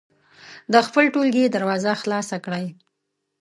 د خپل ټولګي دروازه خلاصه کړئ.